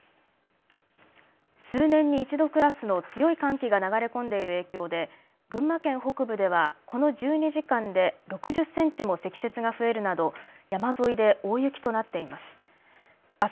数年に一度クラスの強い寒気が流れ込んでいる影響で群馬県北部ではこの１２時間で６０センチも積雪が増えるなど山沿いで大雪となっています。